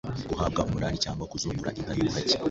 Guhabwa umunani cyangwa kuzungura inka y'ubuhake